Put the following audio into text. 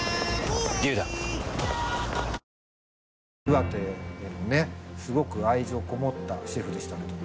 岩手へのすごく愛情こもったシェフでしたけど。